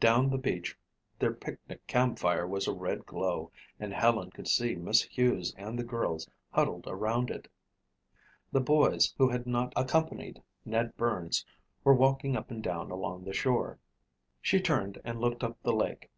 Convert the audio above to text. Down the beach their picnic campfire was a red glow and Helen could see Miss Hughes and the girls huddled around it. The boys who had not accompanied Ned Burns were walking up and down along the shore. She turned and looked up the lake.